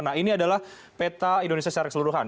nah ini adalah peta indonesia secara keseluruhan